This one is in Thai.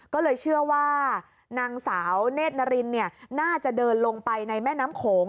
ก็เลยเชื่อว่านางสาวเนธนารินน่าจะเดินลงไปในแม่น้ำโขง